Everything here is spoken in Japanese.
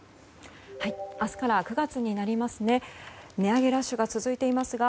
明日から９月になりますね。